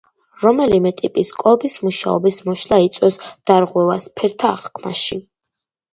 რომელიმე ტიპის კოლბის მუშაობის მოშლა იწვევს დარღვევას ფერთა აღქმაში.